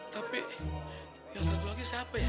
tapi yang satu lagi siapa ya